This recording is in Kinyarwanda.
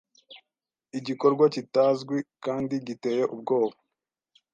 Igikorwa kitazwi kandi giteye ubwoba